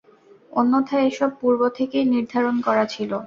অন্যথায় এসব পূর্ব থেকেই নির্ধারণ করা ছিল।